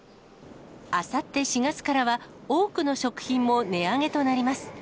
あさって４月からは、多くの食品も値上げとなります。